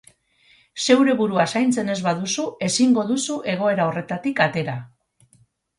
Zeure burua zaintzen ez baduzu, ezingo duzu egoera horretatik atera.